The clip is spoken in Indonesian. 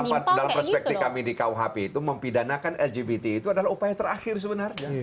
karena dalam perspektif kami di kuhp itu mempidanakan lgbt itu adalah upaya terakhir sebenarnya